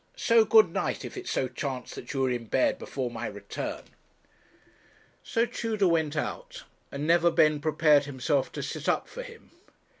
So good night, if it so chance that you are in bed before my return.' So Tudor went out, and Neverbend prepared himself to sit up for him.